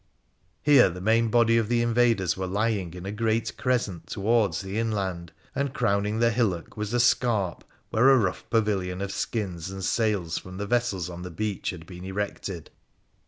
Here the main body of the invaders were lying in a great crescent towards the inland, and crowning the hillock was a scarp, where a rough pavilion of skins and sails from the vessels on the beach had been erected.